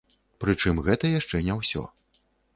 Прычым гэта яшчэ не ўсё.